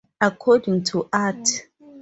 According to Art.